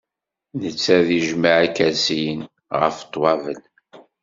Netta ad ijmeɛ ikersiyen, ɣef ṭwabel.